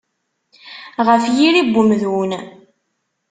Ɣef yiri n umdun.